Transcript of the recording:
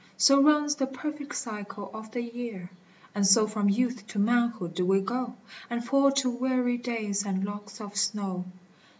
So runs the perfect cycle of the year. And so from youth to manhood do we go, And fall to weary days and locks of snow.